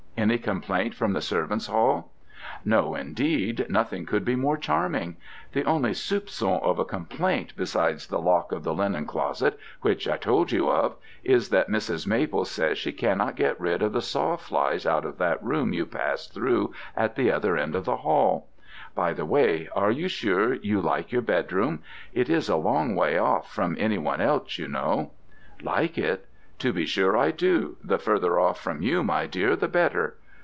Any complaints from the servants' hall?" "No, indeed, nothing could be more charming. The only soupçon of a complaint besides the lock of the linen closet, which I told you of, is that Mrs. Maple says she cannot get rid of the sawflies out of that room you pass through at the other end of the hall. By the way, are you sure you like your bedroom? It is a long way off from any one else, you know." "Like it? To be sure I do; the further off from you, my dear, the better.